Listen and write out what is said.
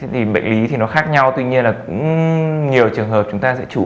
thì bệnh lý thì nó khác nhau tuy nhiên là cũng nhiều trường hợp chúng ta sẽ chủ